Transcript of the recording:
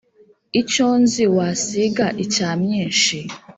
Icyonzi wasiga icya myinshi